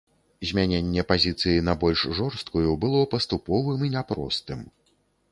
Змяненне пазіцыі на больш жорсткую было паступовым і няпростым.